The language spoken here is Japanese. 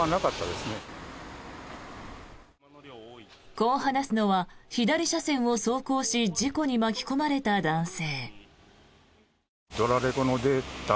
こう話すのは、左車線を走行し事故に巻き込まれた男性。